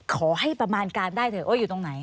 ขอให้ประมาณการได้เถอะว่าอยู่ตรงไหน